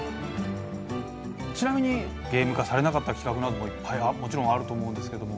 ちなみにゲーム化されなかった企画などもいっぱいもちろんあると思うんですけども。